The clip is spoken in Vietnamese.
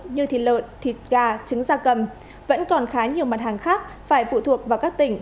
như thịt lợn thịt gà trứng da cầm vẫn còn khá nhiều mặt hàng khác phải phụ thuộc vào các tỉnh